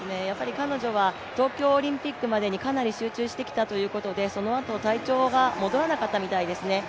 彼女は東京オリンピックまでにかなり集中してきたということでそのあと、体調が戻らなかったみたいですね。